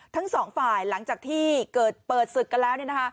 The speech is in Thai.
ทั้งสองฝ่ายหลังจากที่เกิดเปิดศึกกันแล้ว